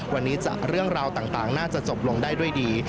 วันนี้เรื่องราวต่างน่าจะจบลงได้ด้วยดี